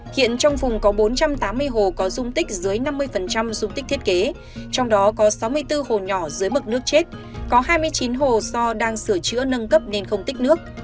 hiện trong vùng có bốn trăm tám mươi hồ có dung tích dưới năm mươi dung tích thiết kế trong đó có sáu mươi bốn hồ nhỏ dưới mực nước chết có hai mươi chín hồ do đang sửa chữa nâng cấp nên không tích nước